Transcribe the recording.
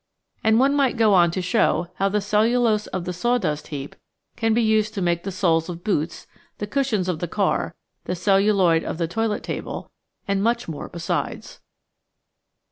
And one might go on to show how the cellulose of the saw dust heap can be used to make the soles of boots, the cushions of the car, the celluloid of the toilet table, and much more besides.